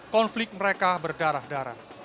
konflik mereka berdarah darah